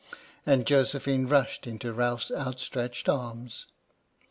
" And Josephine rushed into Ralph's outstretched arms.